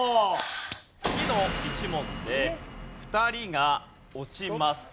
次の１問で２人が落ちます。